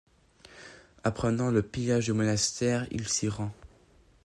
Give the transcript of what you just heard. Apprenant le pillage du monastère, il s'y rend.